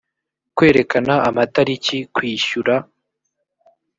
kwerekana amatariki kwishyura